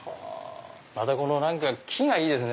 またこの木がいいですね